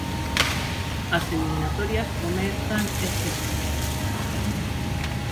As eliminatorias comezan este sábado.